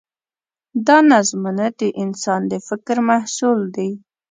دا نظمونه د انسان د فکر محصول دي.